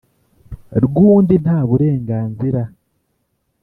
Rw undi nta burenganzira